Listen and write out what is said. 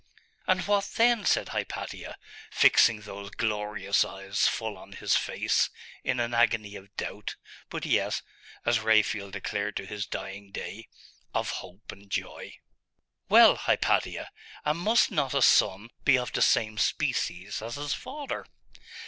'And what then?' said Hypatia, fixing those glorious eyes full on his face, in an agony of doubt, but yet, as Raphael declared to his dying day, of hope and joy. 'Well, Hypatia, and must not a son be of the same species as his father?